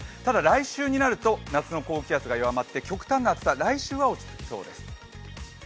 ただ、来週になると夏の高気圧が弱まって極端な暑さは来週には落ち着きそうです。